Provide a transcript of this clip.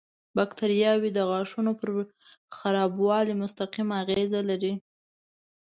باکتریاوې د غاښونو پر خرابوالي مستقیم اغېز لري.